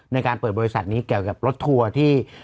ในการเปิดบริษัทนี้เกี่ยวกับรถทัวร์ที่